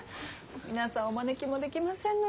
皆さんお招きもできませんのに。